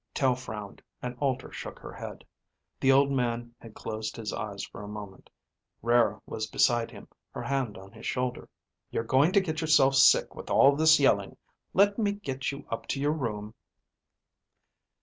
Tel frowned and Alter shook her head. The old man had closed his eyes for a moment. Rara was beside him, her hand on his shoulder. "You're going to get yourself sick with all this yelling. Let me get you up to your room."